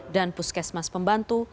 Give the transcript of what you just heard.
dan puskesmas pembantu